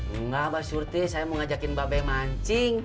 enggak mbak surti saya mau ngajakin mbak be mancing